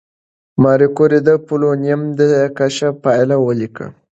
ماري کوري د پولونیم د کشف پایله ولیکله.